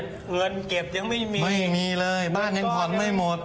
เงินเก็บยังไม่มีมันก้อนแล้วไม่มีเลยบ้านยังผ่อนไม่หมด